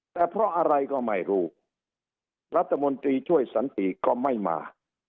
แต่เพราะอะไรก็ไม่รู้รัฐมนตรีช่วยสันติก็ไม่มา